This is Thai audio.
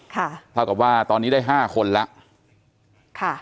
แพลวัตรวาตอนนี้ได้๕คนแล้ว